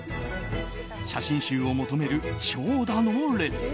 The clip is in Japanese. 写真集を求める長蛇の列。